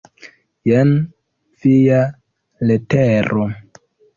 Jen via letero.